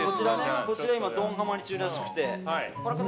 こちら、ドンはまり中らしくて。